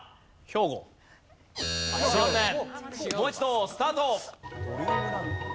もう一度スタート。